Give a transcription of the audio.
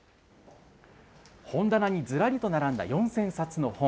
本棚にずらりと並んだ４０００冊の本。